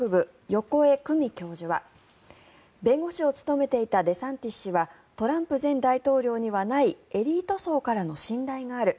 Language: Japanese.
横江公美教授は弁護士を務めていたデサンティス氏はトランプ前大統領にはエリート層からの信頼がある